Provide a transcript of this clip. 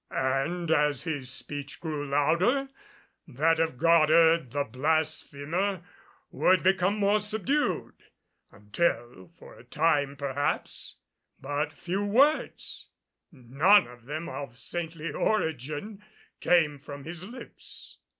And as his speech grew louder, that of Goddard, the blasphemer, would become more subdued, until, for a time perhaps, but few words none of them of saintly origin came from his lips.